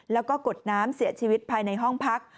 แล้วก็กดน้ำเสียชีวิตภายในห้องพัก